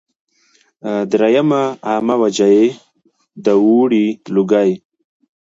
دريمه عامه وجه ئې دوړې ، لوګي